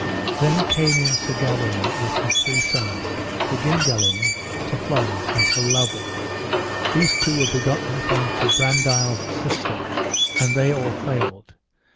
Then came in Sir Gawaine with his three sons, Sir Gingalin, Sir Florence, and Sir Lovel, these two were begotten upon Sir Brandiles' sister; and all they failed.